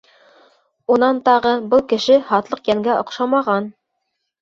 Унан тағы был кеше һатлыҡ йәнгә оҡшамаған.